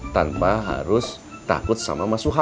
tanpa harus takut sama mas uha